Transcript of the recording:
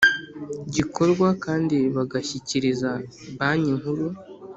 gikorwa kandi bagashyikiriza Banki Nkuru